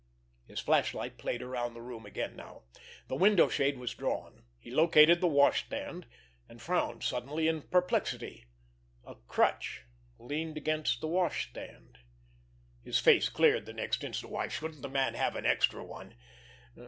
His flashlight played around the room again now. The window shade was drawn. He located the washstand—and frowned suddenly in perplexity. A crutch leaned against the washstand. His face cleared the next instant. Why shouldn't the man have an extra one?